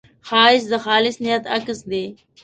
ښایست د خالص نیت عکس دی